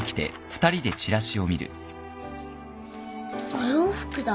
お洋服だ。